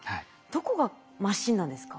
どこがマシンなんですか？